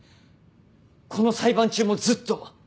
この裁判中もずっと。